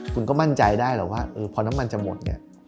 คุณก็มั่นใจได้หรอกว่าพอน้ำมันจะหมดเนี่ย